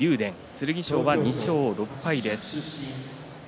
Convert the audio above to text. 剣翔は２勝６敗です。